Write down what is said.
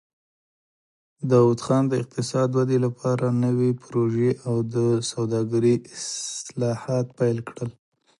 داوود خان د اقتصادي ودې لپاره نوې پروژې او د سوداګرۍ اصلاحات پیل کړل.